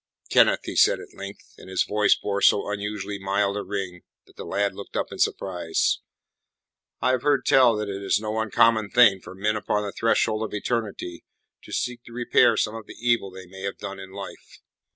"Kenneth," he said at length, and his voice bore so unusually mild a ring that the lad looked up in surprise. "I have heard tell that it is no uncommon thing for men upon the threshold of eternity to seek to repair some of the evil they may have done in life."